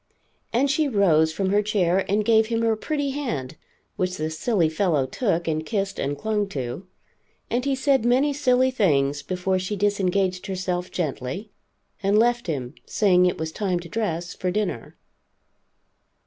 And she rose from her chair and gave him her pretty hand, which the silly fellow took, and kissed and clung to. And he said many silly things, before she disengaged herself gently, and left him, saying it was time to dress, for dinner.